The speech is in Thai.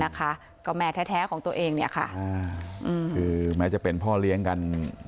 นะคะก็แม่แท้ของตัวเองเนี่ยค่ะคือแม้จะเป็นพ่อเลี้ยงกัน